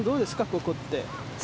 ここって。